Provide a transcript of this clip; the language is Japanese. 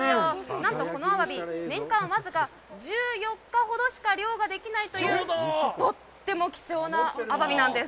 何とこのアワビ、年間僅か１４日しか漁ができないというとっても貴重なアワビなんです！